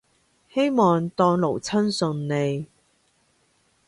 希望當勞侵順利